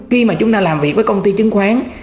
khi mà chúng ta làm việc với công ty chứng khoán